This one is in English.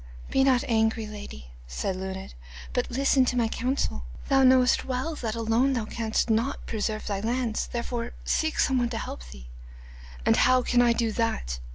'Be not angry, lady,' said Luned, 'but listen to my counsel. Thou knowest well that alone thou canst not preserve thy lands, therefore seek some one to help thee.' 'And how can I do that?